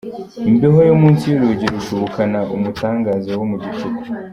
Imbeho yo munsi y’urugi irusha ubukana umutangaze wo mu gicuku.